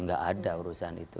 enggak ada urusan itu